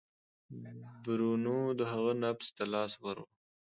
برونو د هغه نبض ته لاس ووړ.